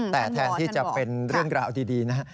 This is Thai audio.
แต่แทนที่จะเป็นเรื่องราวดีนะฮะ